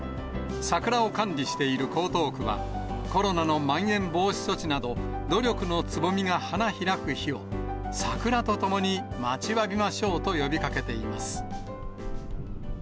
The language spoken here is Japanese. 桜を管理している江東区は、コロナのまん延防止措置など、努力のつぼみが花開く日を、桜とともに待ちわびましょうと呼びかけています。